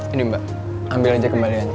ini mbak ambil aja kembaliannya